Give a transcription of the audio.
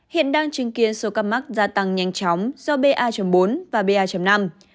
hiện đang chứng kiến số ca mắc gia tăng nhanh chóng do ba bốn và ba năm